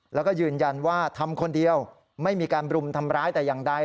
แล้วก็ยืนยันว่าทำคนเดียวไม่มีการบรุมทำร้ายแต่อย่างใด